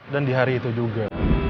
di hari itu juga